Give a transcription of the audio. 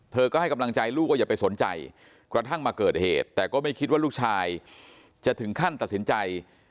เธอก็ให้กำลังใจลูกว่าอย่าไปสนใจกระทั่งมาเกิดเหตุแต่ก็ไม่คิดว่าลูกชายจะถึงขั้นตัดสินใจ